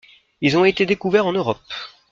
Ils ont été découverts en Europe.